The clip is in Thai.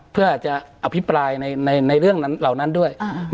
เพื่อจะอภิปรายในเรื่องเหล่านั้นด้วย